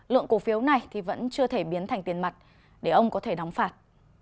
lượng cổ phiếu này thì vẫn chưa thể biến thành tiền mặt để ông có thể đóng phạt